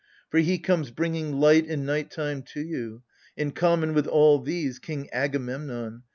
For he comes bringing light in night time to you. In common with all these — king Agamemnon.